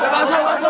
mas idan masuk